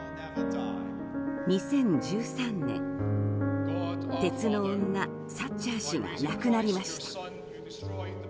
２０１３年鉄の女、サッチャー氏が亡くなりました。